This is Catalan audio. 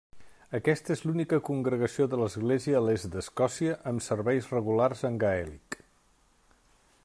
Aquesta és l'única congregació de l'Església a l'est d'Escòcia, amb serveis regulars en gaèlic.